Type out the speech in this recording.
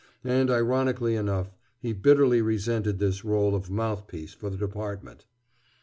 And, ironically enough, he bitterly resented this rôle of "mouthpiece" for the Department.